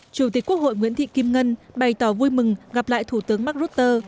chủ tịch quốc hội nguyễn thị kim ngân bày tỏ vui mừng gặp lại thủ tướng mark rutte